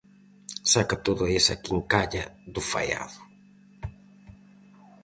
Saca toda esa quincalla do faiado.